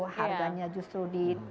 harganya justru di